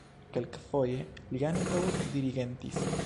Kelkfoje li ankaŭ dirigentis.